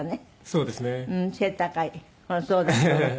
そうですよね。